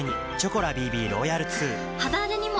肌荒れにも！